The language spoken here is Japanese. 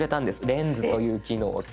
レンズという機能を使って。